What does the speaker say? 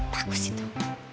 takut sih tuh